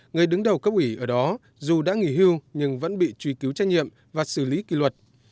người đứng đầu cấp ủy ở đó dù đã nghỉ hưu nhưng vẫn bị truy cứu trách nhiệm và xử lý kỷ luật